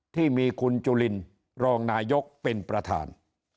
ที่มีคุณจุลินรองนายกเป็นประธาน